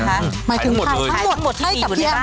หมายถึงขายทั้งหมดที่มีอยู่ในบ้าน